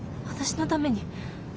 私のために？